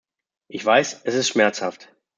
Ich weiß, es ist schmerzhaft.